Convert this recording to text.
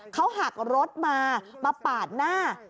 เขาหักรถมามาปาดหน้า